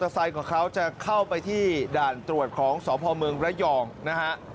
ที่มอเตอร์ไซค์ของเขาจะเข้าไปที่ด่านตรวจของสพมระย่องนะฮะ